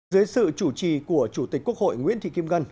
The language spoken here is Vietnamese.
dưới sự chủ trì của chủ tịch quốc hội nguyễn thị kim ngân